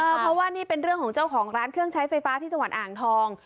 เพราะว่านี่เป็นเรื่องของเจ้าของร้านเครื่องใช้ไฟฟ้าที่จังหวัดอ่างทอง